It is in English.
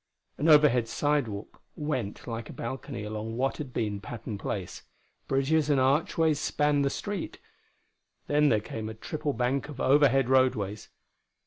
An overhead sidewalk went like a balcony along what had been Patton Place. Bridges and archways spanned the street. Then there came a triple bank of overhead roadways.